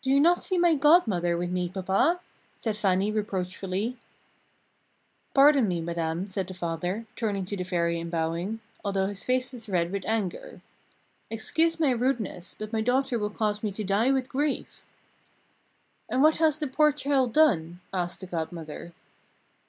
"Do you not see my Godmother with me, Papa?" said Fannie reproachfully. "Pardon me, madame," said the father, turning to the Fairy and bowing, although his face was red with anger. "Excuse my rudeness, but my daughter will cause me to die with grief!" "And what has the poor child done?" asked the Godmother.